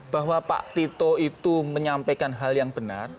bahwa pak tito itu menyampaikan hal yang benar